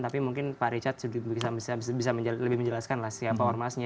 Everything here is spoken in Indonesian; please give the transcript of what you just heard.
tapi mungkin pak richard bisa lebih menjelaskan lah siapa ormasnya